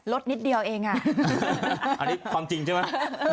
นิดเดียวเองอ่ะอันนี้ความจริงใช่ไหม